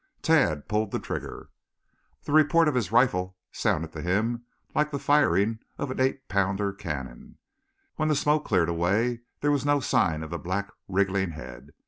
Tad pulled the trigger. The report of his rifle sounded to him like the firing of an eight pounder cannon. When the smoke cleared away there was no sign of the black wriggling head.